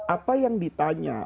apa yang ditanya